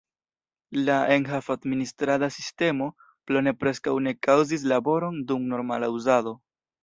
La enhav-administrada sistemo Plone preskaŭ ne kaŭzis laboron dum normala uzado.